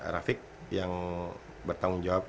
rafiq yang bertanggung jawab